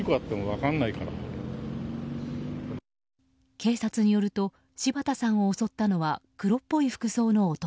警察によると柴田さんを襲ったのは黒っぽい服装の男。